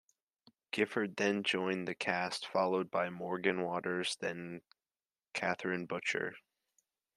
Gifford then joined the cast, followed by Morgan Waters, then Kythrine Butcher.